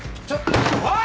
おい！